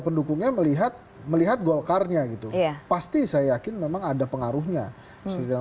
pendukungnya melihat melihat golkarnya gitu pasti saya yakin memang ada pengaruhnya sedang